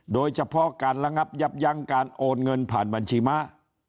โดยเฉพาะการระงับยับยั้งการโอนเงินผ่านบัญชีม้า